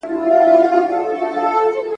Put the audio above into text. غویی په منطق نه پوهېږي !.